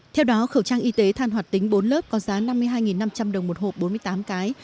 theo đó khẩu trang y tế than hoạt tính bốn lớp có giá năm mươi hai năm trăm linh đồng một hộp bốn mươi tám cái